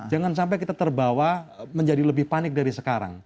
jangan sampai kita terbawa menjadi lebih panik dari sekarang